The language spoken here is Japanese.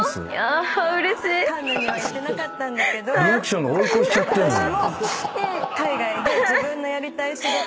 リアクションが追い越しちゃってんのよ。